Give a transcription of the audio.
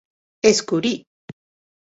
Escurie.